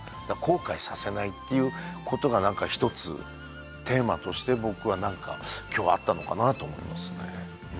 だから後悔させないっていうことが何か一つテーマとして僕は何か今日あったのかなと思いますね。